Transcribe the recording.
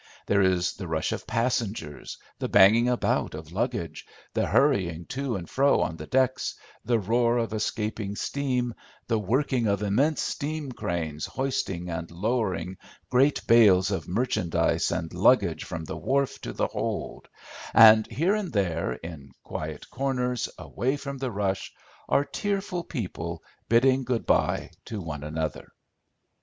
There is the rush of passengers, the banging about of luggage, the hurrying to and fro on the decks, the roar of escaping steam, the working of immense steam cranes hoisting and lowering great bales of merchandise and luggage from the wharf to the hold, and here and there in quiet corners, away from the rush, are tearful people bidding good bye to one another.